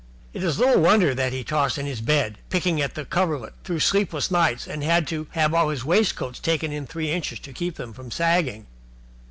It is little wonder that he tossed in bed, picking at the coverlet, through sleepless nights, and had to have all his waistcoats taken in three inches to keep them from sagging.